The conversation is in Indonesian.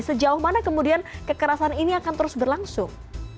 sejauh mana kemudian kekerasan ini akan terus berlangsung